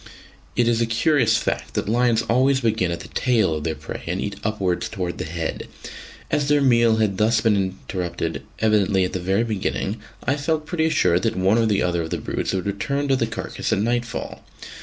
It is a curious fact that lions always begin at the tail of their prey and eat upwards towards the head. As their meal had thus been interrupted evidently at the very beginning, I felt pretty sure that one or other of the brutes would return to the carcase at nightfall.